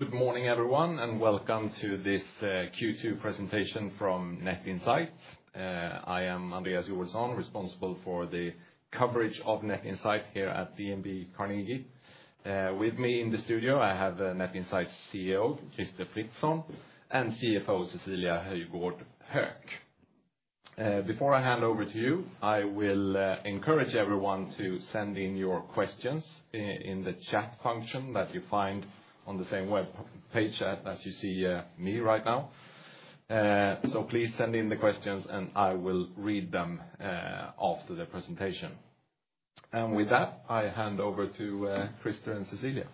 Good morning, everyone, and welcome to this Q2 presentation from Net Insight. I am Andreas Joelsson, responsible for the coverage of Net Insight here at DNB Carnegie. With me in the studio, I have Net Insight's CEO, Crister Fritzson, and CFO, Cecilia Höjgård Höök. Before I hand over to you, I will encourage everyone to send in your questions in the chat function that you find on the same webpage as you see me right now. Please send in the questions, and I will read them after the presentation. With that, I hand over to Crister and Cecilia.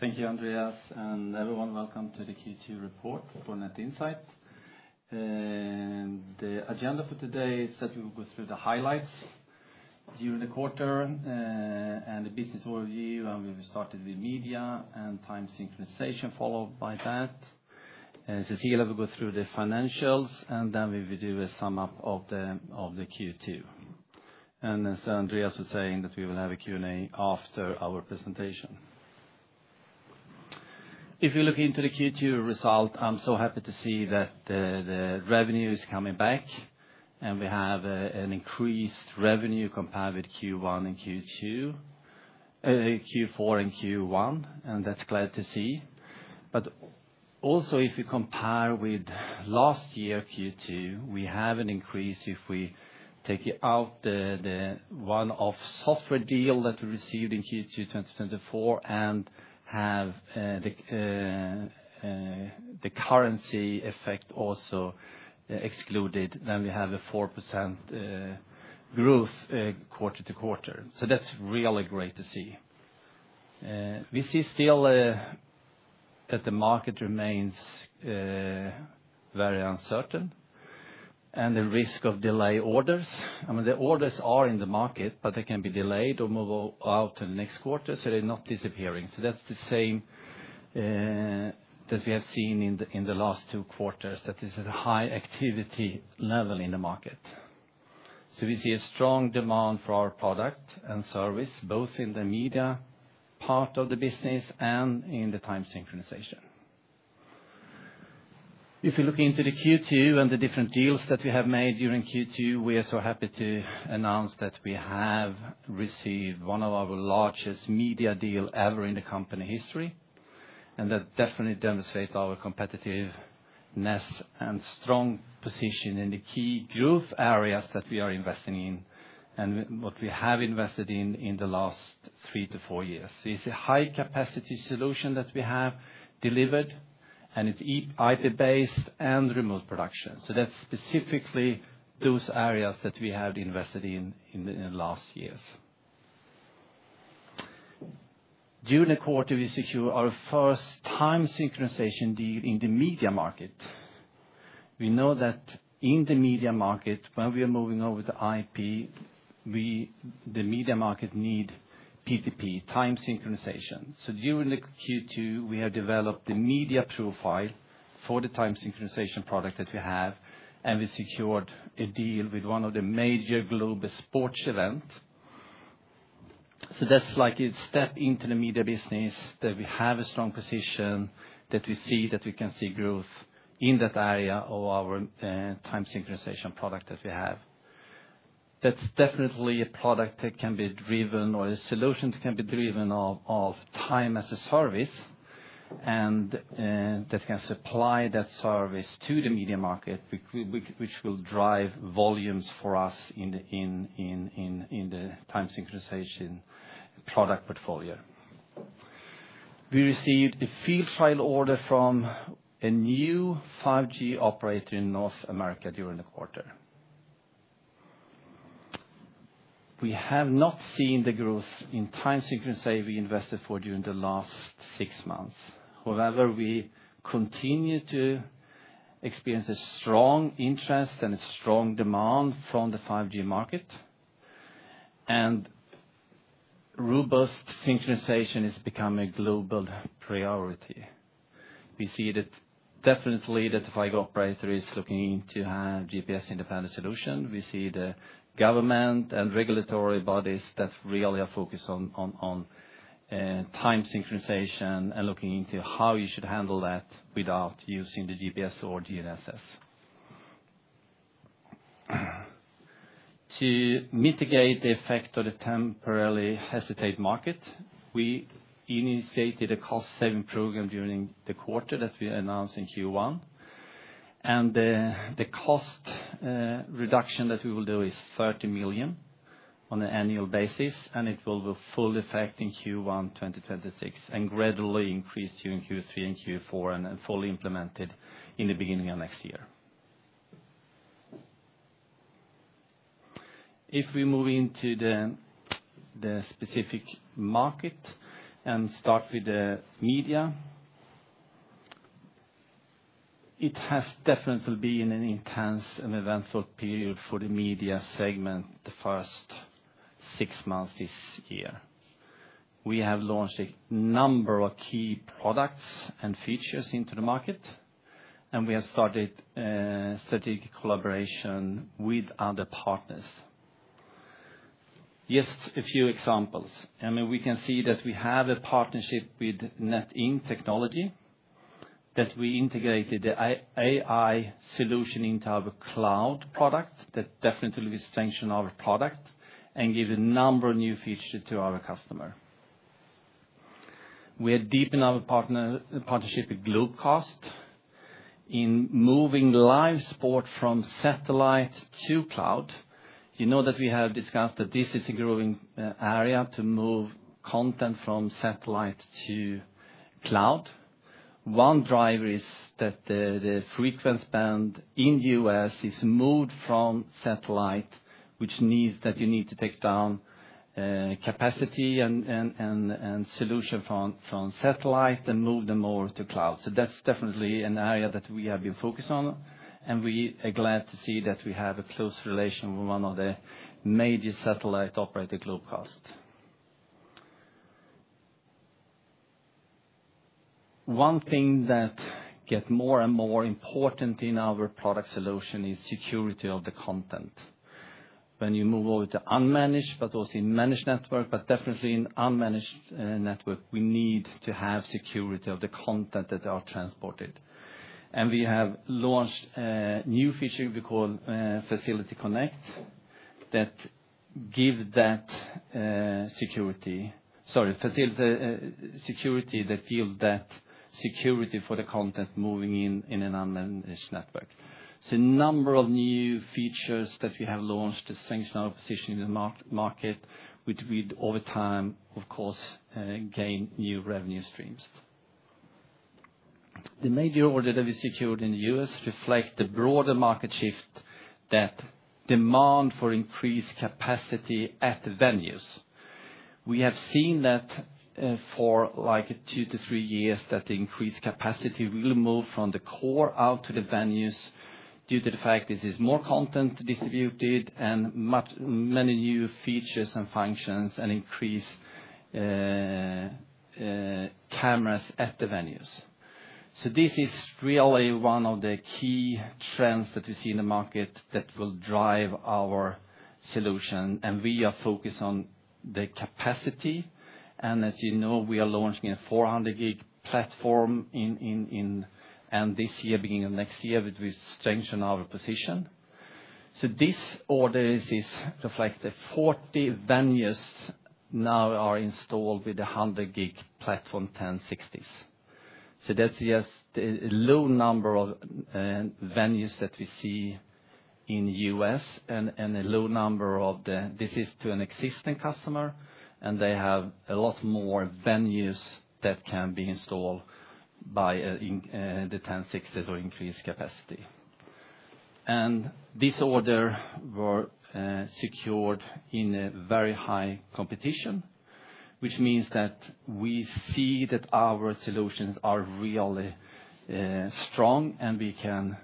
Thank you, Andreas, and everyone, welcome to the Q2 report for Net Insight. The agenda for today is that we will go through the highlights during the quarter and the business overview, and we will start with media and time synchronization followed by that. Cecilia will go through the financials, and then we will do a sum up of the Q2. As Andreas was saying, we will have a Q&A after our presentation. If you look into the Q2 result, I'm so happy to see that the revenue is coming back, and we have an increased revenue compared with Q4 and Q1, and that's glad to see. Also, if you compare with last year Q2, we have an increase if we take out the one-off software deal that we received in Q2 2024 and have the currency effect also excluded. Then we have a 4% growth quarter to quarter. That's really great to see. We see still that the market remains very uncertain and the risk of delayed orders. I mean, the orders are in the market, but they can be delayed or move out to the next quarter, so they're not disappearing. That's the same as we have seen in the last two quarters, that there's a high activity level in the market. We see a strong demand for our product and service, both in the media part of the business and in the time synchronization. If you look into the Q2 and the different deals that we have made during Q2, we are so happy to announce that we have received one of our largest media deals ever in the company history, and that definitely demonstrates our competitiveness and strong position in the key growth areas that we are investing in and what we have invested in in the last three to four years. It's a high-capacity solution that we have delivered, and it's IP-based and remote production. That's specifically those areas that we have invested in in the last years. During the quarter, we secured our first time synchronization deal in the media market. We know that in the media market, when we are moving over to IP, the media market needs PPP, time synchronization. During the Q2, we have developed the media profile for the time synchronization product that we have, and we secured a deal with one of the major global sports events. That's like a step into the media business that we have a strong position that we see that we can see growth in that area of our time synchronization product that we have. That's definitely a product that can be driven or a solution that can be driven off time as a service, and that can supply that service to the media market, which will drive volumes for us in the time synchronization product portfolio. We received a field trial order from a new 5G operator in North America during the quarter. We have not seen the growth in time synchronization we invested for during the last six months. However, we continue to experience a strong interest and a strong demand from the 5G market, and robust synchronization is becoming a global priority. We see that definitely the 5G operator is looking to have a GPS/GNSS-independent solution. We see the government and regulatory bodies that really are focused on time synchronization and looking into how you should handle that without using the GPS or GNSS. To mitigate the effect of the temporarily hesitant market, we initiated a cost-saving program during the quarter that we announced in Q1, and the cost reduction that we will do is 30 million on an annual basis, and it will have a full effect in Q1 2026 and gradually increase during Q3 and Q4 and be fully implemented in the beginning of next year. If we move into the specific market and start with the media, it has definitely been an intense and eventful period for the media segment the first six months this year. We have launched a number of key products and features into the market, and we have started a strategic collaboration with other partners. Just a few examples. I mean, we can see that we have a partnership with NetIn Technology, that we integrated the AI solution into our cloud product. That definitely will strengthen our product and give a number of new features to our customer. We are deepening our partnership with Globecast in moving live support from satellite to cloud. You know that we have discussed that this is a growing area to move content from satellite to cloud. One driver is that the frequency band in the U.S. is moved from satellite, which means that you need to take down capacity and solutions from satellite and move them over to cloud. That's definitely an area that we have been focused on, and we are glad to see that we have a close relation with one of the major satellite operators, Globecast. One thing that gets more and more important in our product solution is security of the content. When you move over to unmanaged, but also in a managed network, but definitely in an unmanaged network, we need to have security of the content that is transported. We have launched a new feature we call Facility Connect that gives that security, sorry, facility security that gives that security for the content moving in an unmanaged network. A number of new features that we have launched strengthen our position in the market, which will over time, of course, gain new revenue streams. The major order that we secured in the U.S. reflects the broader market shift that demands for increased capacity at the venues. We have seen that for like two to three years that the increased capacity will move from the core out to the venues due to the fact this is more content distributed and many new features and functions and increased cameras at the venues. This is really one of the key trends that we see in the market that will drive our solution, and we are focused on the capacity. As you know, we are launching a 400 GW platform in this year, beginning of next year, which will strengthen our position. This order reflects that 40 venues now are installed with a 100 GW platform, Nimbra 1060s. That is just a low number of venues that we see in the U.S. and a low number of the, this is to an existing customer, and they have a lot more venues that can be installed by the 1060 for increased capacity. This order was secured in a very high competition, which means that we see that our solutions are really strong and we can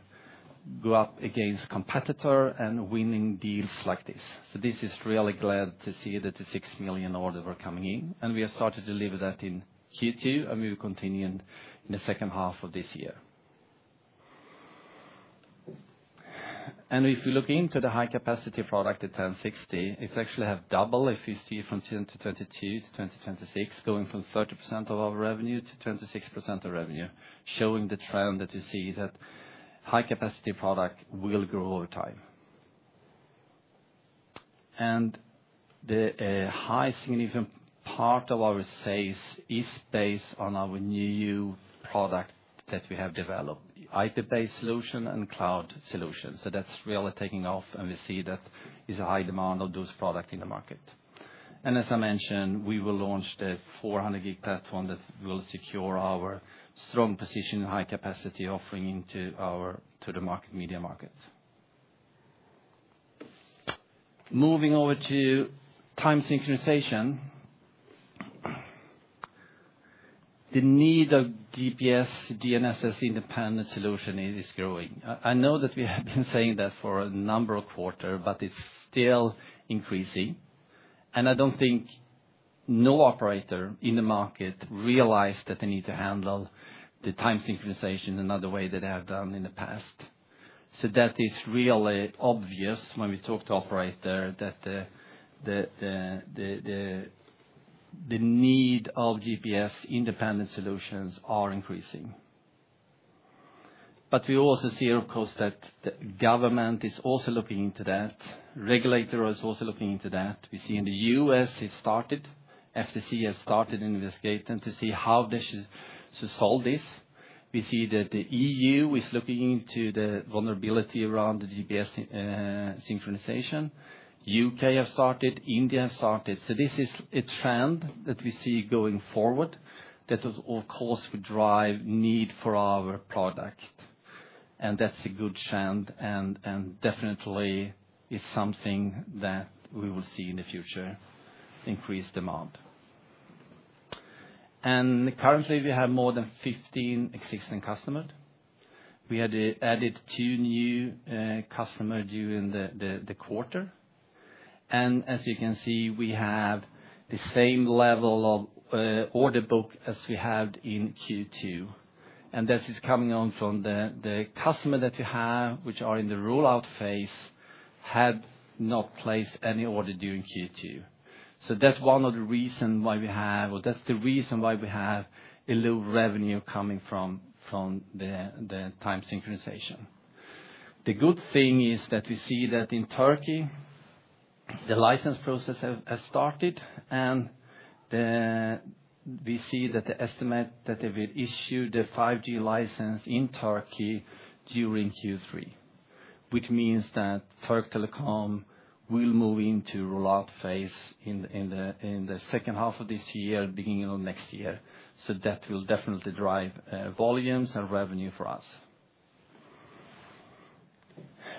go up against competitors and winning deals like this. It is really glad to see that the 6 million orders are coming in, and we have started to deliver that in Q2, and we will continue in the second half of this year. If you look into the high-capacity product, the 1060, it is actually doubled if you see from 2022 to 2026, going from 30% of our revenue to 26% of revenue, showing the trend that you see that high-capacity products will grow over time. The high significant part of our sales is based on our new product that we have developed, IP-based solution and cloud solution. That is really taking off, and we see that there is a high demand of those products in the market. As I mentioned, we will launch the 400 GW platform that will secure our strong position in high-capacity offering to the media market. Moving over to time synchronization, the need of GPS/GNSS-independent solution is growing. I know that we have been saying that for a number of quarters, but it's still increasing. I don't think any operator in the market realized that they need to handle the time synchronization in another way than they have done in the past. That is really obvious when we talk to operators, that the need of GPS/GNSS-independent solutions is increasing. We also see, of course, that the government is also looking into that. Regulators are also looking into that. We see in the U.S., FTC has started investigating to see how they should solve this. We see that the EU is looking into the vulnerability around the GPS synchronization. The U.K. has started. India has started. This is a trend that we see going forward that, of course, will drive the need for our product. That's a good trend and definitely is something that we will see in the future, increased demand. Currently, we have more than 15 existing customers. We added two new customers during the quarter. As you can see, we have the same level of order book as we had in Q2. This is coming on from the customers that we have, which are in the rollout phase, had not placed any order during Q2. That's one of the reasons why we have, or that's the reason why we have a low revenue coming from the time synchronization. The good thing is that we see that in Turkey, the license process has started, and we see that the estimate is that they will issue the 5G license in Turkey during Q3, which means that Turk Telekom will move into the rollout phase in the second half of this year, beginning of next year. That will definitely drive volumes and revenue for us.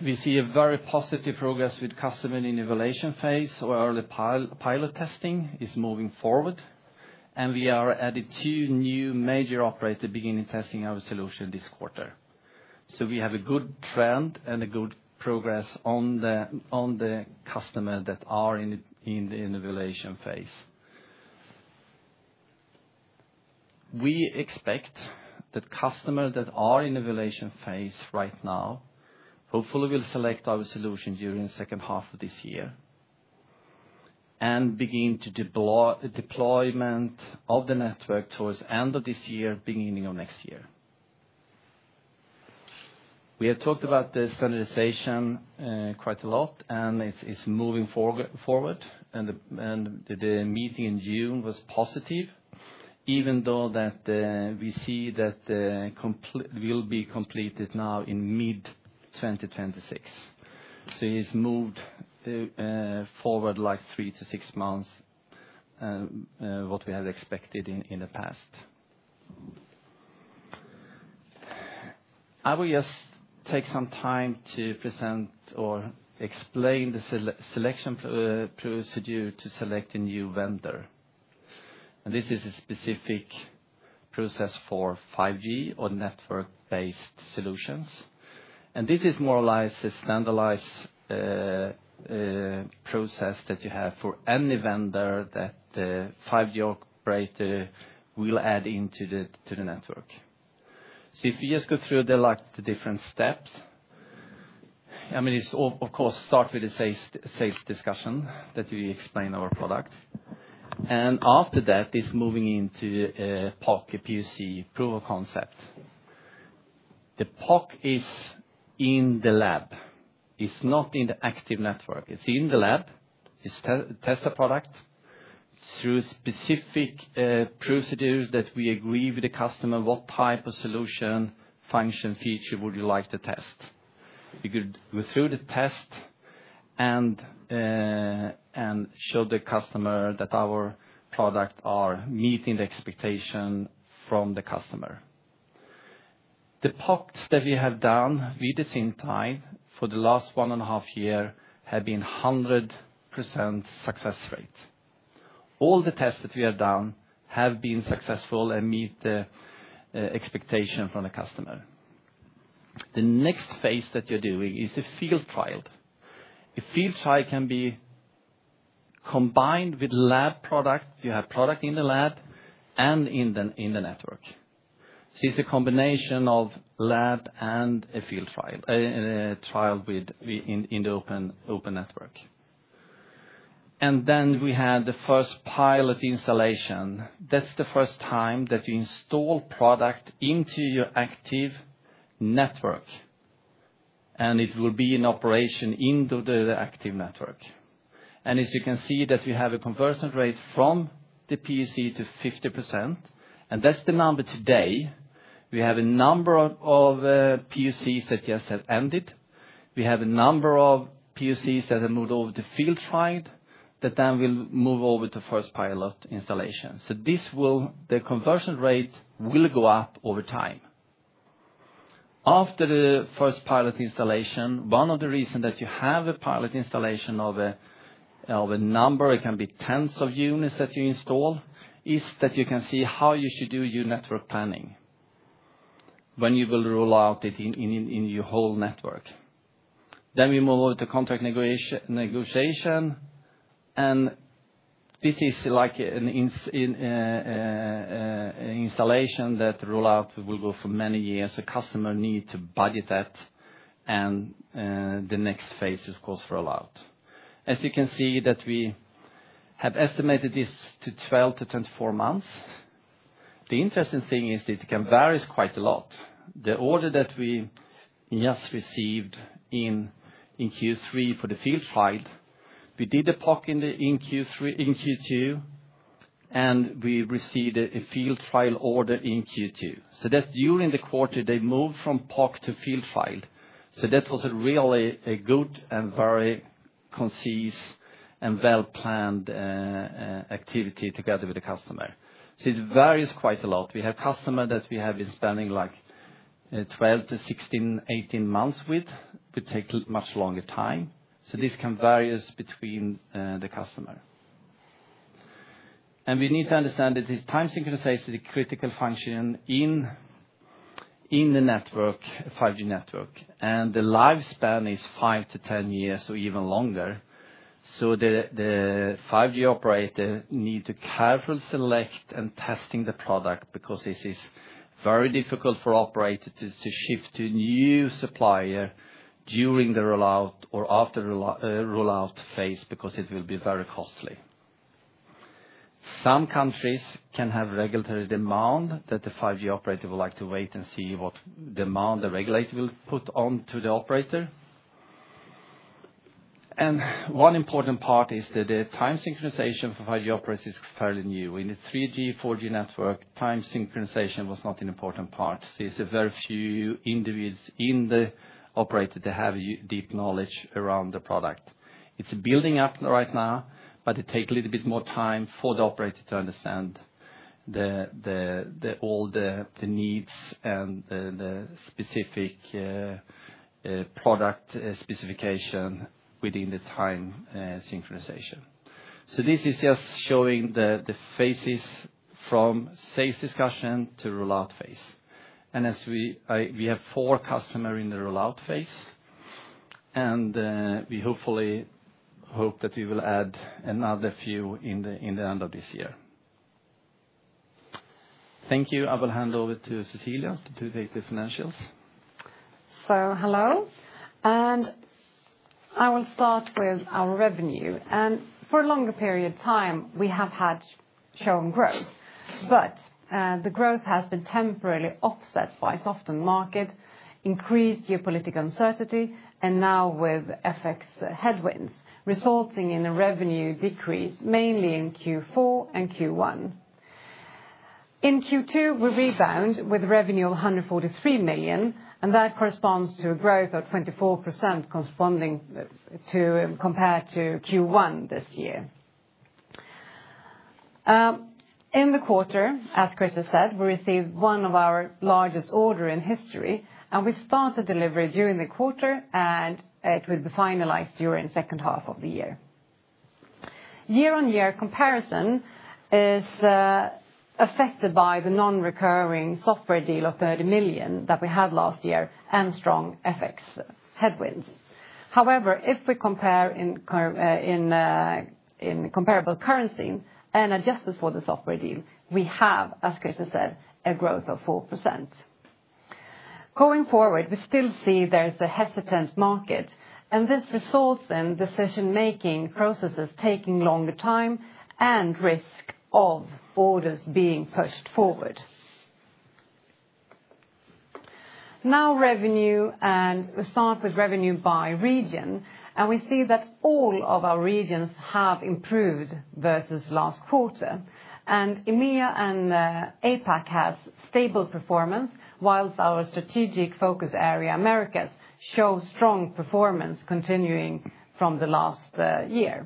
We see very positive progress with customers in the evaluation phase or early pilot testing is moving forward. We added two new major operators beginning testing our solution this quarter. We have a good trend and a good progress on the customers that are in the evaluation phase. We expect that customers that are in the evaluation phase right now hopefully will select our solution during the second half of this year and begin the deployment of the network towards the end of this year, beginning of next year. We have talked about the standardization quite a lot, and it's moving forward. The meeting in June was positive, even though we see that it will be completed now in mid-2026. It's moved forward like three to six months, what we had expected in the past. I will just take some time to present or explain the selection procedure to select a new vendor. This is a specific process for 5G or network-based solutions. This is more or less a standardized process that you have for any vendor that the 5G operator will add into the network. If you just go through the different steps, it starts with the sales discussion where we explain our product. After that, it moves into a PoC, a PoC proof of concept. The PoC is in the lab. It's not in the active network. It's in the lab. You test the product through specific procedures that we agree with the customer. What type of solution, function, feature would you like to test? You could go through the test and show the customer that our products are meeting the expectation from the customer. The PoCs that we have done with Syntyc for the last one and a half years have had a 100% success rate. All the tests that we have done have been successful and meet the expectation from the customer. The next phase that you're doing is a field trial. A field trial can be combined with lab products. You have products in the lab and in the network. It's a combination of lab and a field trial in the open network. We had the first pilot installation. That's the first time that you install products into your active network. It will be in operation into the active network. As you can see, we have a conversion rate from the PoC to 50%. That's the number today. We have a number of PoCs that just have ended. We have a number of PoCs that have moved over to field trial that then will move over to first pilot installation. This will, the conversion rate will go up over time. After the first pilot installation, one of the reasons that you have a pilot installation of a number, it can be tens of units that you install, is that you can see how you should do your network planning when you will roll out it in your whole network. We move over to contract negotiation. This is like an installation that rollout will go for many years. The customer needs to budget that. The next phase is, of course, rollout. As you can see, we have estimated this to 12-24 months. The interesting thing is that it can vary quite a lot. The order that we just received in Q3 for the field trial, we did a PoC in Q2, and we received a field trial order in Q2. During the quarter, they moved from PoC to field trial. That was really a good and very concise and well-planned activity together with the customer. It varies quite a lot. We have customers that we have been spending like 12-16, 18 months with. It could take a much longer time. This can vary between the customers. We need to understand that this time synchronization is a critical function in the network, a 5G network. The lifespan is five to 10 years or even longer. The 5G operators need to carefully select and test the product because this is very difficult for operators to shift to a new supplier during the rollout or after the rollout phase because it will be very costly. Some countries can have regulatory demands that the 5G operator would like to wait and see what demands the regulator will put onto the operator. One important part is that the time synchronization for 5G operators is fairly new. In a 3G, 4G network, time synchronization was not an important part. It's very few individuals in the operator that have deep knowledge around the product. It's building up right now, but it takes a little bit more time for the operator to understand all the needs and the specific product specification within the time synchronization. This is just showing the phases from sales discussion to rollout phase. As we have four customers in the rollout phase, we hopefully hope that we will add another few in the end of this year. Thank you. I will hand over to Cecilia to take the financials. Hello. I will start with our revenue. For a longer period of time, we have had shown growth, but the growth has been temporarily offset by a softened market, increased geopolitical uncertainty, and now with FX headwinds resulting in a revenue decrease mainly in Q4 and Q1. In Q2, we rebound with a revenue of 143 million, and that corresponds to a growth of 24% compared to Q1 this year. In the quarter, as Cris has said, we received one of our largest orders in history, and we started delivery during the quarter, and it will be finalized during the second half of the year. Year-on-year comparison is affected by the non-recurring software deal of 30 million that we had last year and strong FX headwinds. However, if we compare in comparable currency and adjusted for the software deal, we have, as Cris has said, a growth of 4%. Going forward, we still see there's a hesitant market, and this results in decision-making processes taking longer time and risk of orders being pushed forward. Now, revenue, and we start with revenue by region. We see that all of our regions have improved versus last quarter. EMEA and APAC had stable performance, whilst our strategic focus area, Americas, shows strong performance continuing from the last year.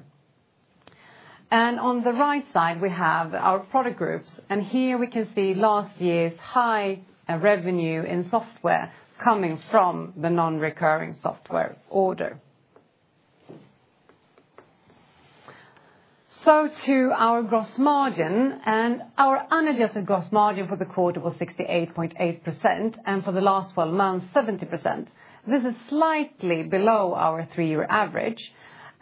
On the right side, we have our product groups. Here we can see last year's high revenue in software coming from the non-recurring software order. To our gross margin, our unadjusted gross margin for the quarter was 68.8%, and for the last 12 months, 70%. This is slightly below our three-year average.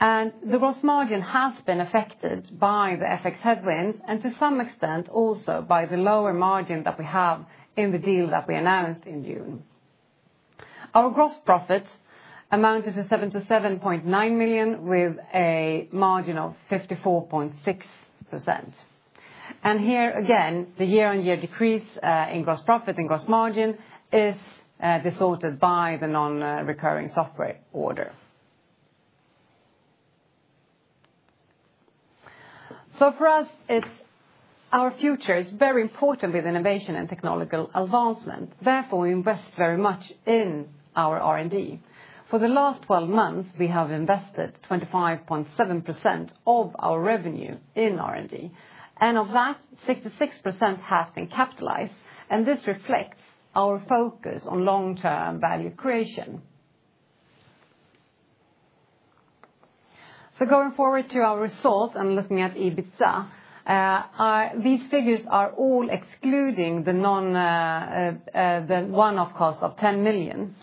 The gross margin has been affected by the FX headwinds and to some extent also by the lower margin that we have in the deal that we announced in June. Our gross profit amounted to 77.9 million with a margin of 54.6%. Here again, the year-on-year decrease in gross profit and gross margin is disordered by the non-recurring software order. For us, our future is very important with innovation and technological advancement. Therefore, we invest very much in our R&D. For the last 12 months, we have invested 25.7% of our revenue in R&D. Of that, 66% has been capitalized. This reflects our focus on long-term value creation. Going forward to our results and looking at EBITDA, these figures are all excluding the one-off cost of 10 million.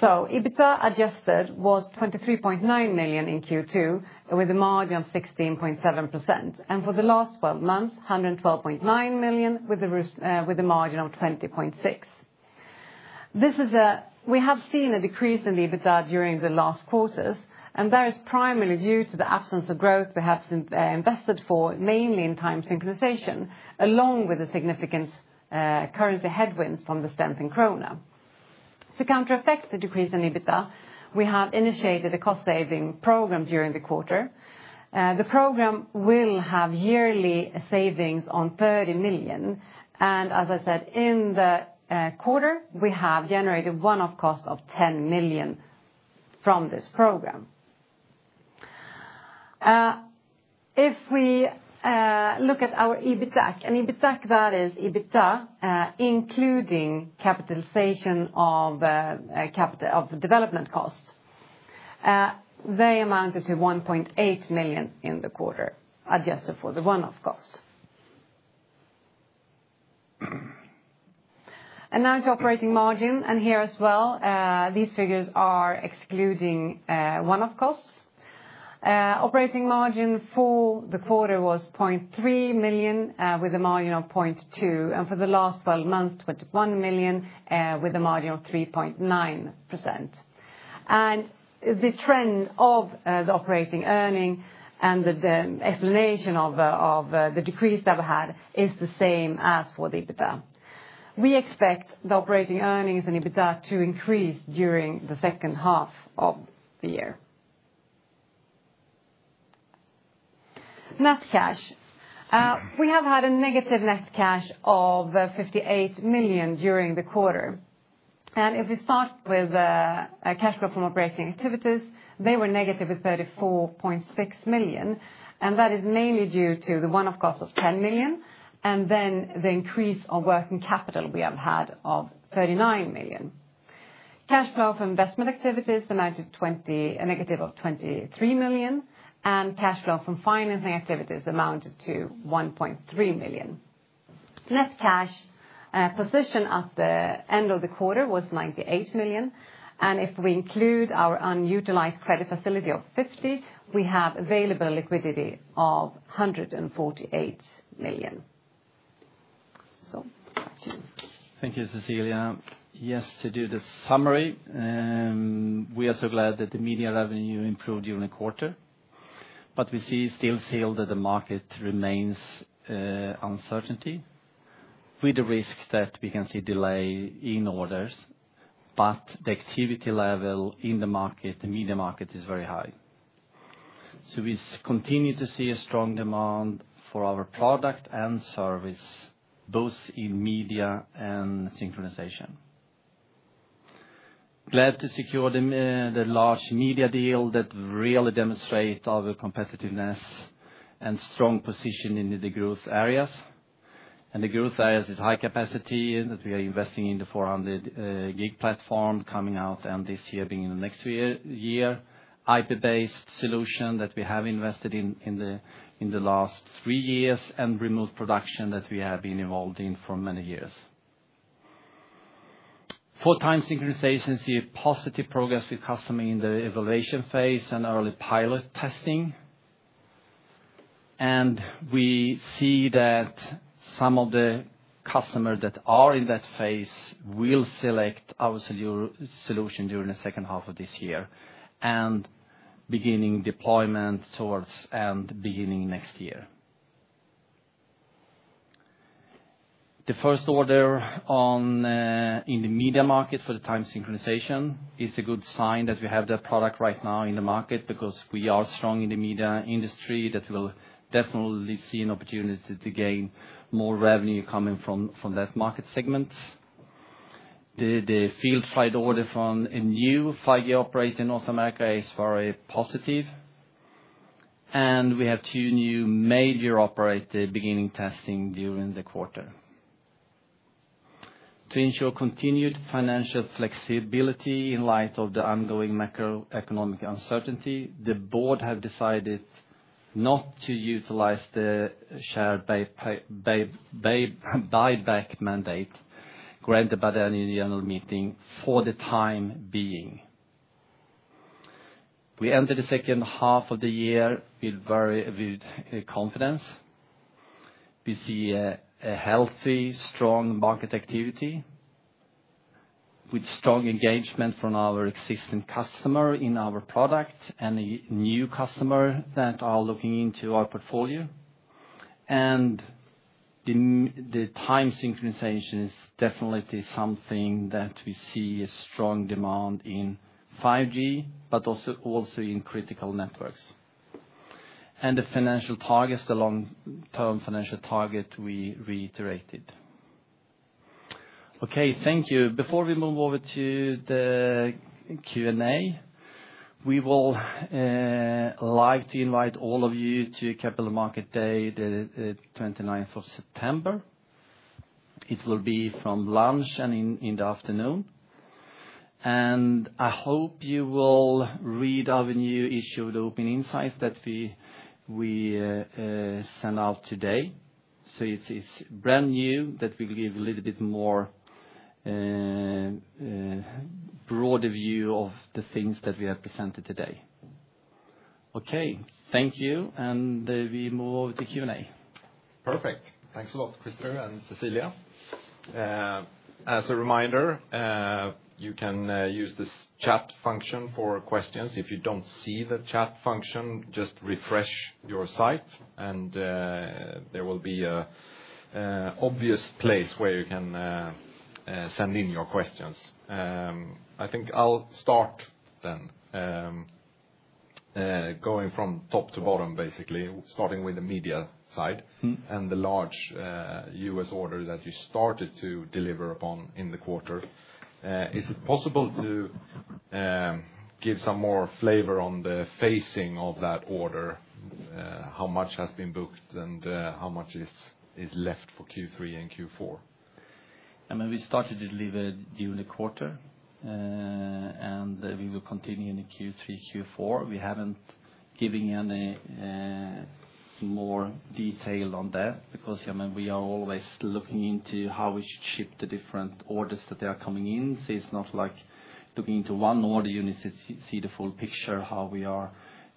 EBITDA adjusted was 23.9 million in Q2 with a margin of 16.7%. For the last 12 months, 112.9 million with a margin of 20.6%. We have seen a decrease in the EBITDA during the last quarters, and that is primarily due to the absence of growth we have invested for, mainly in time synchronization, along with the significant currency headwinds from the strengthened krona. To counteract the decrease in EBITDA, we have initiated a cost-saving program during the quarter. The program will have yearly savings of 30 million. In the quarter, we have generated one-off costs of 10 million from this program. If we look at our EBITDA, and EBITDA that is EBITDA including capitalization of development costs, they amounted to 1.8 million in the quarter, adjusted for the one-off cost. Now to operating margin, and here as well, these figures are excluding one-off costs. Operating margin for the quarter was 0.3 million with a margin of 0.2%. For the last 12 months, 21 million with a margin of 3.9%. The trend of the operating earning and the explanation of the decrease that we had is the same as for the EBITDA. We expect the operating earnings and EBITDA to increase during the second half of the year. Net cash, we have had a negative net cash of 58 million during the quarter. If we start with cash flow from operating activities, they were negative at 34.6 million. That is mainly due to the one-off cost of 10 million, and then the increase on working capital we have had of 39 million. Cash flow from investment activities amounted to a negative of 23 million, and cash flow from financing activities amounted to 1.3 million. Net cash position at the end of the quarter was 98 million. If we include our unutilized credit facility of 50 million, we have available liquidity of 148 million. Thank you, Cecilia. Yes, to do the summary, we are so glad that the media revenue improved during the quarter, but we still feel that the market remains uncertain with the risks that we can see delay in orders. The activity level in the market, the media market is very high. We continue to see a strong demand for our product and service, both in media and synchronization. Glad to secure the large media deal that really demonstrates our competitiveness and strong position in the growth areas. The growth areas with high capacity that we are investing in, the 400 GW platform coming out this year and being in the next year, IP-based solution that we have invested in the last three years, and remote production that we have been involved in for many years. For time synchronization, we see positive progress with customers in the evaluation phase and early pilot testing. We see that some of the customers that are in that phase will select our solution during the second half of this year and begin deployment towards the end, beginning next year. The first order in the media market for the time synchronization is a good sign that we have that product right now in the market because we are strong in the media industry. We will definitely see an opportunity to gain more revenue coming from that market segment. The field trial order from a new 5G operator in North America is very positive. We have two new major operators beginning testing during the quarter. To ensure continued financial flexibility in light of the ongoing macroeconomic uncertainty, the board has decided not to utilize the share buyback mandate granted by the annual general meeting for the time being. We enter the second half of the year with very confidence. We see a healthy, strong market activity with strong engagement from our existing customers in our products and new customers that are looking into our portfolio. The time synchronization is definitely something that we see a strong demand in 5G, but also in critical networks. The financial targets, the long-term financial target we reiterated. Thank you. Before we move over to the Q&A, we would like to invite all of you to Capital Market Day the 29th of September. It will be from lunch and in the afternoon. I hope you will read our new issue of the Open Insights that we sent out today. It is brand new and will give a little bit more broader view of the things that we have presented today. Thank you. We move over to Q&A. Perfect. Thanks a lot, Crister and Cecilia. As a reminder, you can use this chat function for questions. If you don't see the chat function, just refresh your site, and there will be an obvious place where you can send in your questions. I think I'll start then, going from top to bottom, basically, starting with the media side and the large U.S. order that you started to deliver upon in the quarter. Is it possible to give some more flavor on the phasing of that order, how much has been booked, and how much is left for Q3 and Q4? We started to deliver during the quarter, and we will continue in Q3, Q4. We haven't given you any more detail on that because we are always looking into how we ship the different orders that are coming in. It's not like looking into one order. You need to see the full picture, how we are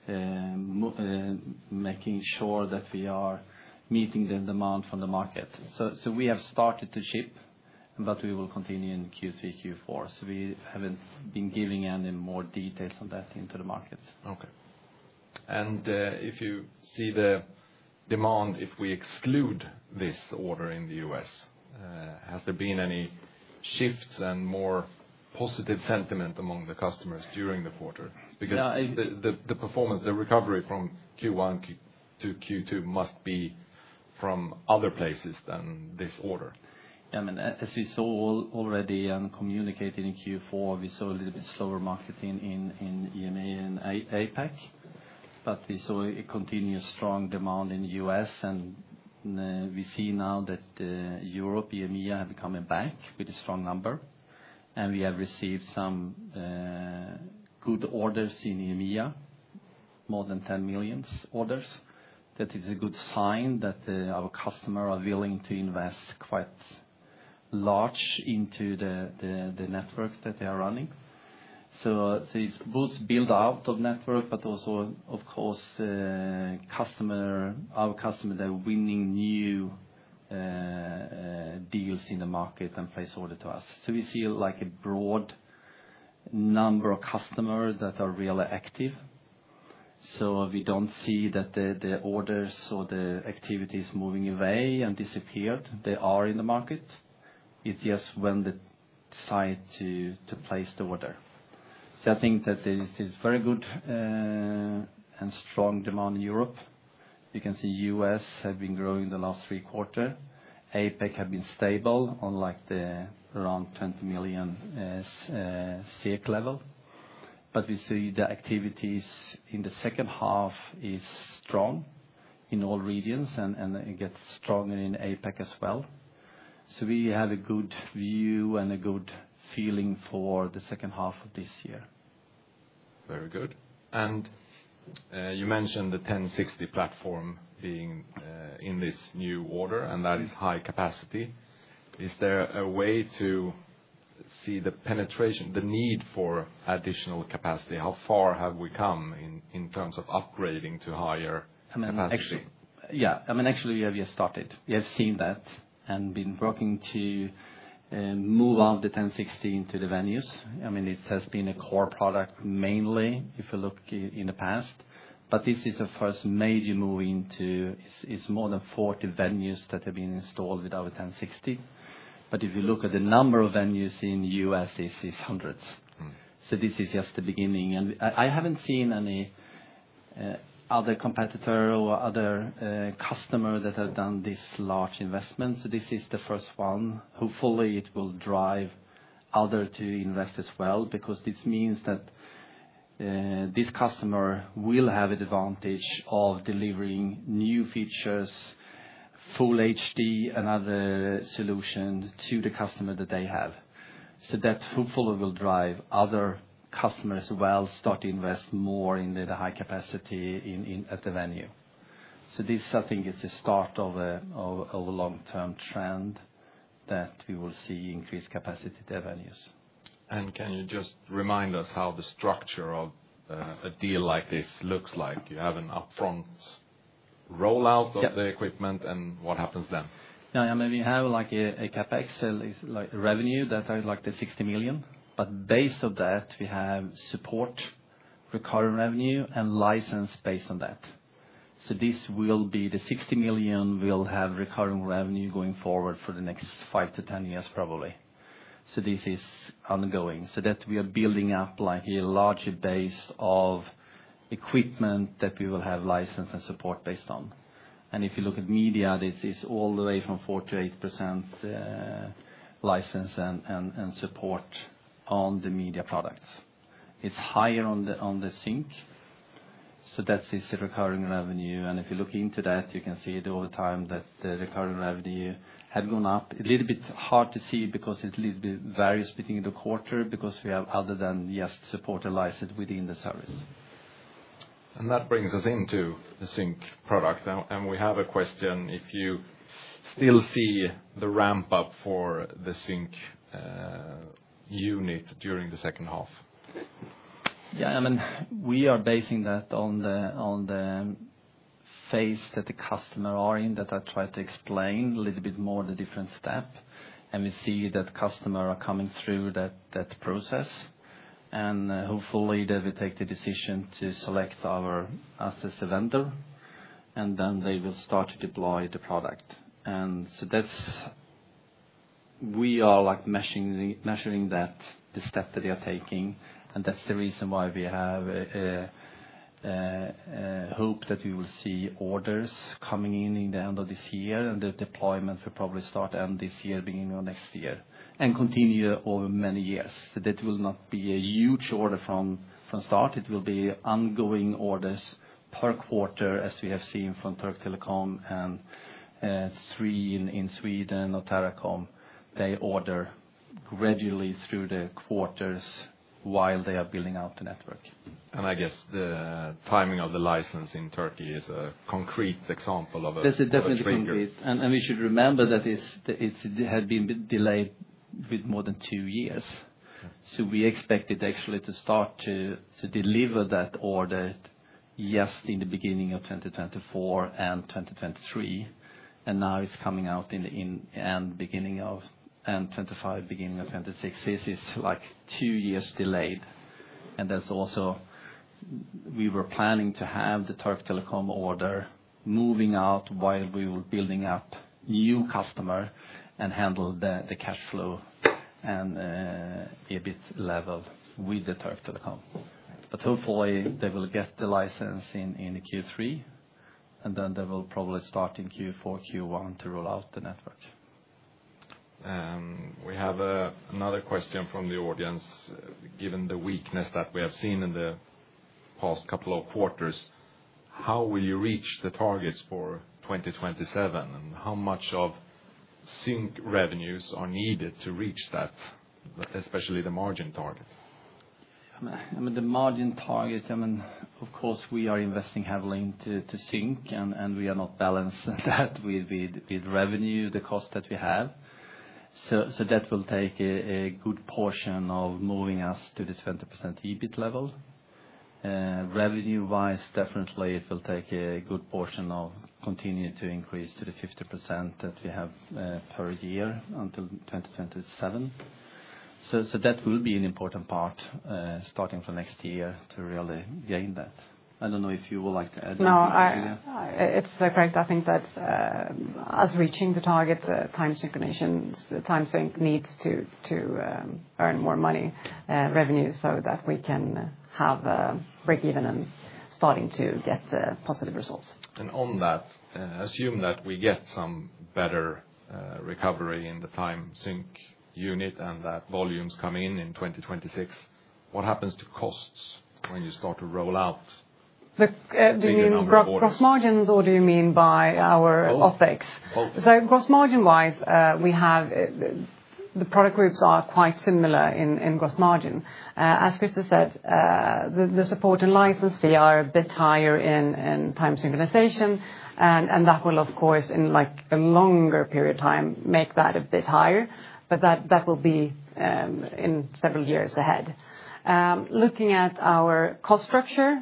making sure that we are meeting the demand from the market. We have started to ship, but we will continue in Q3, Q4. We haven't been giving any more details on that into the market. If you see the demand, if we exclude this order in the U.S., has there been any shifts and more positive sentiment among the customers during the quarter? The performance, the recovery from Q1 to Q2 must be from other places than this order. I mean, as we saw already and communicated in Q4, we saw a little bit slower marketing in EMEA and APAC. We saw a continuous strong demand in the U.S., and we see now that Europe, EMEA have come back with a strong number. We have received some good orders in EMEA, more than 10 million orders. That is a good sign that our customers are willing to invest quite large into the network that they are running. It's both build-out of network, but also, of course, our customers that are winning new deals in the market and place orders to us. We feel like a broad number of customers that are really active. We don't see that the orders or the activity is moving away and disappeared. They are in the market. It's just when they decide to place the order. I think that there is very good and strong demand in Europe. You can see the U.S. has been growing in the last three quarters. APAC has been stable on like the around 20 million CAC level. We see the activities in the second half are strong in all regions, and it gets stronger in APAC as well. We have a good view and a good feeling for the second half of this year. Very good. You mentioned the Nimbra 1060 platform being in this new order, and that is high capacity. Is there a way to see the penetration, the need for additional capacity? How far have we come in terms of upgrading to higher capacity? Yeah. I mean, actually, we have started. We have seen that and been working to move out the Nimbra 1060 into the venues. I mean, it has been a core product mainly if we look in the past. This is the first major move into it's more than 40 venues that have been installed with our Nimbra 1060. If you look at the number of venues in the U.S., it's hundreds. This is just the beginning. I haven't seen any other competitor or other customer that has done this large investment. This is the first one. Hopefully, it will drive others to invest as well because this means that this customer will have the advantage of delivering new features, full HD, and other solutions to the customer that they have. That hopefully will drive other customers as well to start to invest more in the high capacity at the venue. This, I think, is the start of a long-term trend that we will see increased capacity at the venues. Can you just remind us how the structure of a deal like this looks like? You have an upfront rollout of the equipment, and what happens then? Yeah. I mean, we have like a CapEx revenue that is like 60 million. Based on that, we have support, recurring revenue, and license based on that. This 60 million will have recurring revenue going forward for the next 5 to 10 years, probably. This is ongoing. We are building up like a larger base of equipment that we will have license and support based on. If you look at media, this is all the way from 4% to 8% license and support on the media products. It's higher on the sync. That is the recurring revenue. If you look into that, you can see over time that the recurring revenue has gone up. It's a little bit hard to see because it's a little bit various between the quarter because we have other than just support and license within the service. That brings us into the sync product. We have a question if you still see the ramp-up for the sync unit during the second half. Yeah. I mean, we are basing that on the phase that the customers are in that I tried to explain a little bit more, the different steps. We see that customers are coming through that process. Hopefully, they will take the decision to select us as a vendor, and then they will start to deploy the product. We are measuring that, the step that they are taking. That's the reason why we have a hope that we will see orders coming in at the end of this year. The deployment will probably start end of this year, beginning of next year, and continue over many years. That will not be a huge order from start. It will be ongoing orders per quarter, as we have seen from Turk Telekom and SRI in Sweden or Telekom. They order gradually through the quarters while they are building out the network. I guess the timing of the license in Turkey is a concrete example of a big increase. That's a definite increase. We should remember that it had been delayed with more than two years. We expected actually to start to deliver that order just in the beginning of 2024 and 2023. Now it's coming out in the end, beginning of 2025, beginning of 2026. This is like two years delayed. We were planning to have the Turk Telekom order moving out while we were building up new customers and handle the cash flow and EBIT level with the Turk Telekom. Hopefully, they will get the license in Q3, and they will probably start in Q4, Q1 to roll out the network. We have another question from the audience. Given the weakness that we have seen in the past couple of quarters, how will you reach the targets for 2027? How much of sync revenues are needed to reach that, especially the margin target? I mean, the margin target, I mean, of course, we are investing heavily into sync, and we are not balancing that with revenue, the cost that we have. That will take a good portion of moving us to the 20% EBIT level. Revenue-wise, definitely, it will take a good portion of continuing to increase to the 50% that we have per year until 2027. That will be an important part starting from next year to really gain that. I don't know if you would like to add anything. No, it's correct. I think that us reaching the target, time synchronization, the time sync needs to earn more money, revenue, so that we can have a break-even and starting to get positive results. Assume that we get some better recovery in the time synchronization unit and that volumes come in in 2026. What happens to costs when you start to roll out? Do you mean gross margins or do you mean by our OpEx? Gross margin-wise, we have the product groups are quite similar in gross margin. As Crister said, the support and license fee are a bit higher in time synchronization. That will, of course, in a longer period of time, make that a bit higher. That will be in several years ahead. Looking at our cost structure,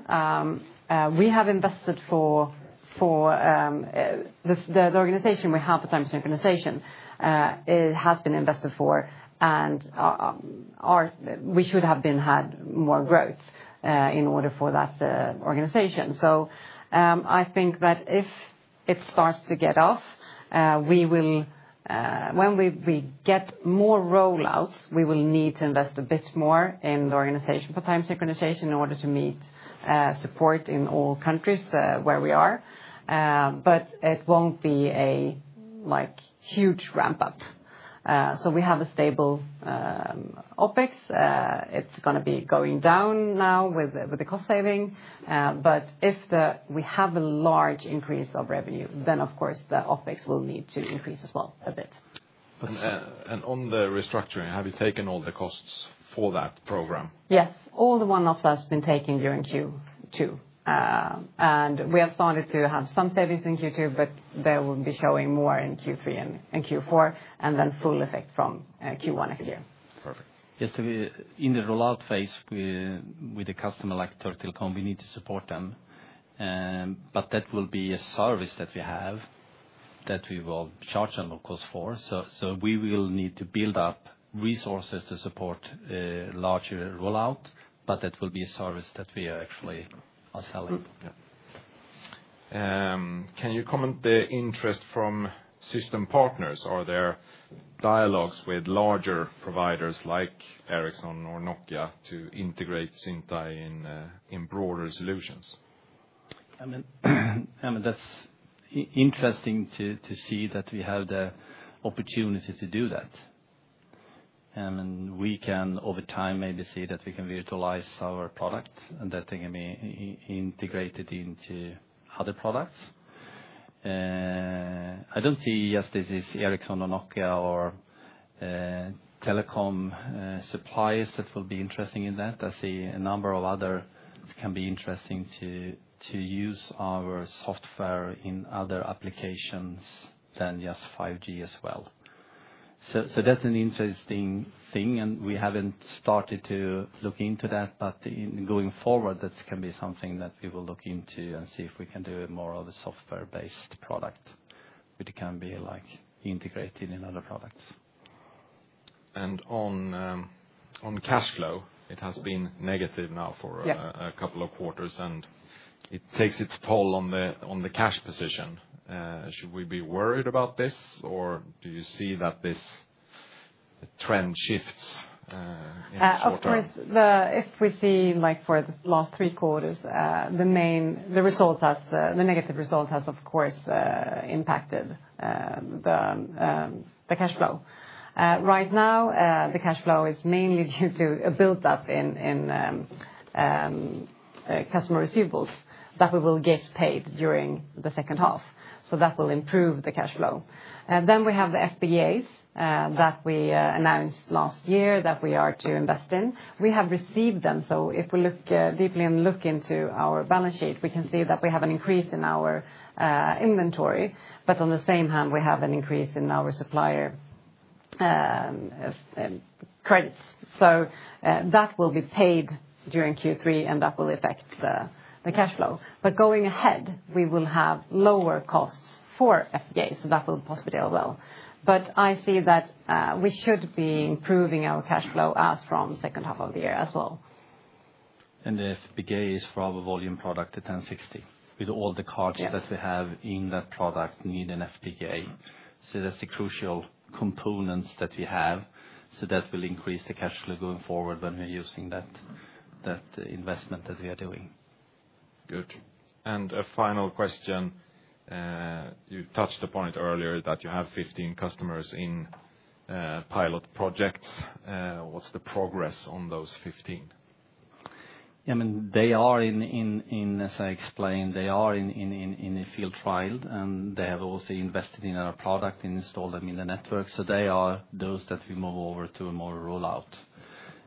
we have invested for the organization we have, the time synchronization, it has been invested for, and we should have had more growth in order for that organization. I think that if it starts to get off, we will, when we get more rollouts, need to invest a bit more in the organization for time synchronization in order to meet support in all countries where we are. It won't be a huge ramp-up. We have a stable OpEx. It's going to be going down now with the cost saving. If we have a large increase of revenue, then, of course, the OpEx will need to increase as well a bit. Have you taken all the costs for that program regarding the restructuring? Yes. All the one-offs have been taken during Q2. We have started to have some savings in Q2, but they will be showing more in Q3 and Q4, with full effect from Q1 next year. Perfect. Yes, to be in the rollout phase with a customer like Turk Telekom, we need to support them. That will be a service that we have that we will charge them a cost for. We will need to build up resources to support a larger rollout. That will be a service that we actually are selling. Can you comment the interest from system partners? Are there dialogues with larger providers like Ericsson or Nokia to integrate Syntyc in broader solutions? That's interesting to see that we have the opportunity to do that. We can, over time, maybe see that we can virtualize our product and that they can be integrated into other products. I don't see, yes, this is Ericsson or Nokia or Telekom suppliers that will be interested in that. I see a number of others can be interested to use our software in other applications than just 5G as well. That's an interesting thing. We haven't started to look into that. Going forward, that can be something that we will look into and see if we can do it more of a software-based product, but it can be like integrated in other products. Cash flow has been negative now for a couple of quarters, and it takes its toll on the cash position. Should we be worried about this, or do you see that this trend shifts in the quarter? If we see like for the last three quarters, the main negative result has, of course, impacted the cash flow. Right now, the cash flow is mainly due to a build-up in customer receivables that we will get paid during the second half. That will improve the cash flow. We have the FBAs that we announced last year that we are to invest in. We have received them. If we look deeply and look into our balance sheet, we can see that we have an increase in our inventory. On the same hand, we have an increase in our supplier credits. That will be paid during Q3, and that will affect the cash flow. Going ahead, we will have lower costs for FBAs. That will possibly help as well. I see that we should be improving our cash flow as from the second half of the year as well. The FBA is for our volume product, the Nimbra 1060. With all the cards that we have in that product, we need an FBA. That is a crucial component that we have, and it will increase the cash flow going forward when we're using that investment that we are doing. Good. A final question. You touched upon it earlier that you have 15 customers in pilot projects. What's the progress on those 15? Yeah, I mean, they are in, as I explained, they are in the field trial, and they have also invested in our product and installed them in the network. They are those that we move over to a more rollout.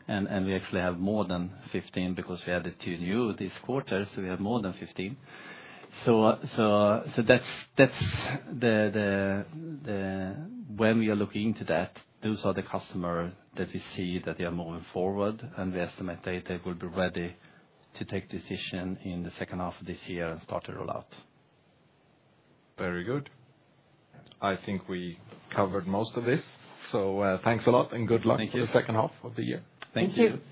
We actually have more than 15 because we added two new this quarter. We have more than 15. When we are looking into that, those are the customers that we see that they are moving forward, and we estimate that they will be ready to take a decision in the second half of this year and start to roll out. Very good. I think we covered most of this. Thanks a lot, and good luck in the second half of the year. Thank you.